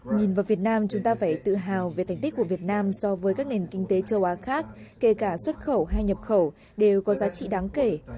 nhìn vào việt nam chúng ta phải tự hào về thành tích của việt nam so với các nền kinh tế châu á khác kể cả xuất khẩu hay nhập khẩu đều có giá trị đáng kể